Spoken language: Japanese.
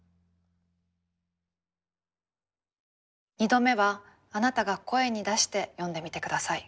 ２度目はあなたが声に出して読んでみて下さい。